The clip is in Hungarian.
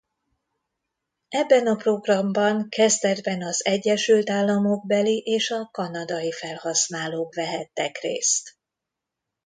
Ebben a programban kezdetben az egyesült államokbeli és a kanadai felhasználók vehettek részt.